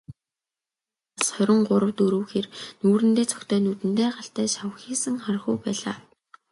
Үзвэл, нас хорин гурав дөрөв хэр, нүүрэндээ цогтой, нүдэндээ галтай, шавхийсэн хархүү байлаа.